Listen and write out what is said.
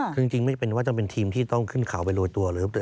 ผู้จำเป็นเป็นทีมที่ต้องขึ้นเข่าเรียบปรูง